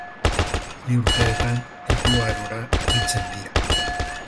Bi urteetan helduarora heltzen dira.